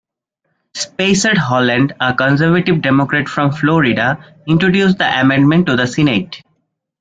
Spessard Holland, a conservative Democrat from Florida, introduced the amendment to the Senate.